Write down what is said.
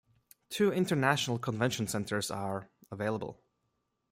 Two International Convention Centers are available.